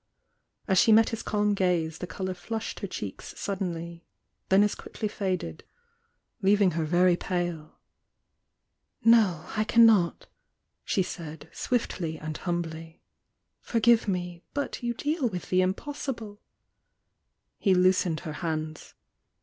As she met his C£jm gaze the colour flushed her cheeks suddenly, then as quickly faded, leaving her very pale. »J'^*?~^ cannot!" she said, swiftly and humbly. Forgive me! But you deal with the impossible!" He loosened her hands.